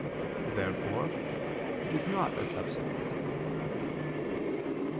Therefore it is not a substance.